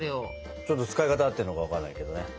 ちょっと使い方合ってるのか分かんないけどね。